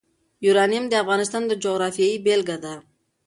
یورانیم د افغانستان د جغرافیې بېلګه ده.